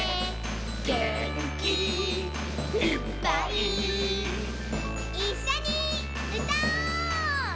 「げんきいっぱい」「いっしょにうたおう！」